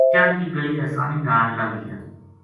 چنڈ کی گلی آسانی نال لنگھ گیا